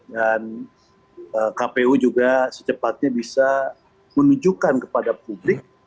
dan kpu juga secepatnya bisa menunjukkan kepada publik